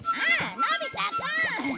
のび太くん！